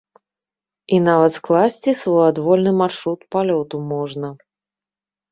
І нават скласці свой адвольны маршрут палёту можна.